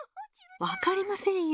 わかりませんよ。